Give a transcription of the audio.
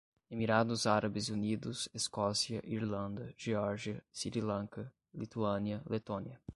Emirados Árabes Unidos, Escócia, Irlanda, Geórgia, Sri Lanka, Lituânia, Letônia